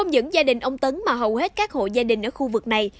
cũng đều như vậy